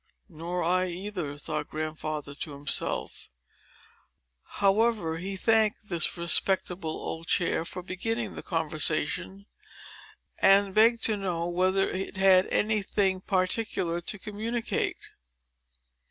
"Nor I either," thought Grandfather to himself. However, he thanked this respectable old chair for beginning the conversation, and begged to know whether it had any thing particular to communicate.